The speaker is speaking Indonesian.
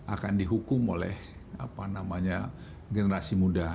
akan dihukum oleh apa namanya generasi muda